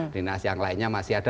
dinas yang lainnya masih ada